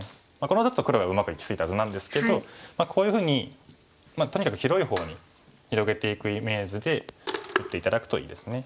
これはちょっと黒がうまくいき過ぎた図なんですけどこういうふうにとにかく広い方に広げていくイメージで打って頂くといいですね。